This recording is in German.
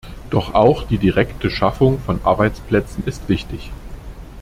Doch auch die direkte Schaffung von Arbeitsplätzen ist wichtig.